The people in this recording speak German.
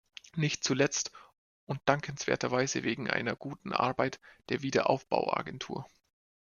Nicht zuletzt und dankenswerterweise wegen einer guten Arbeit der Wiederaufbauagentur.